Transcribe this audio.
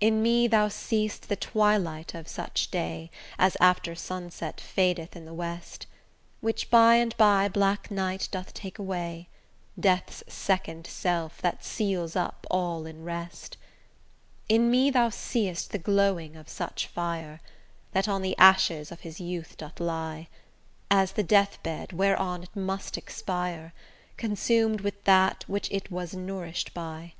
In me thou see'st the twilight of such day As after sunset fadeth in the west; Which by and by black night doth take away, Death's second self, that seals up all in rest. In me thou see'st the glowing of such fire, That on the ashes of his youth doth lie, As the death bed, whereon it must expire, Consum'd with that which it was nourish'd by.